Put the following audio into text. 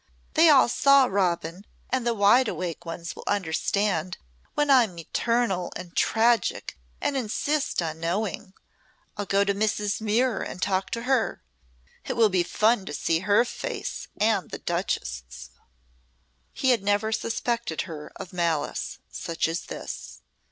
They all saw Robin and the wide awake ones will understand when I'm maternal and tragic and insist on knowing. I'll go to Mrs. Muir and talk to her. It will be fun to see her face and the Duchess'." He had never suspected her of malice such as this.